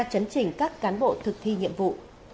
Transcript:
chấn trình các cán bộ thực thi nhiệm vụ